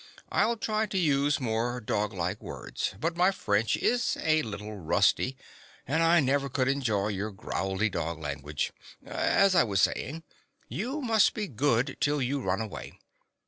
" I 'll try to use more doglike words. But my French is a little rusty, and I never could enjoy your growly dog lan guage. As I was saying — you must be good till you run away.